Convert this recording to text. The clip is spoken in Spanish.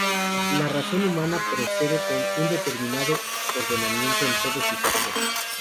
La razón humana procede con un determinado ordenamiento en todos sus actos.